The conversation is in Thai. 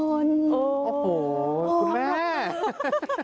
โอ้โหคุณแม่